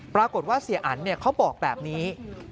ปรากฏว่าเสียอันเขาบอกแบบนี้